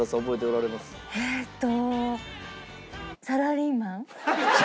えっと。